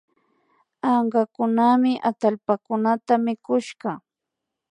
Ankakunami atallpakunata mikushka